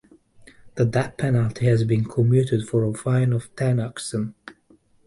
The death penalty has been commuted for a fine of ten oxen.